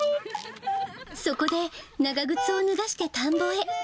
そこで長靴を脱がして田んぼへ。